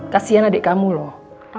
kasian adik kamu loh